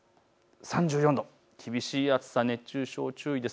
３４度、厳しい暑さ、熱中症注意です。